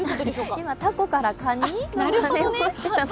今、タコからカニ？